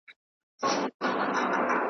نه یې شور سته د بلبلو نه یې شرنګ سته د غزلو .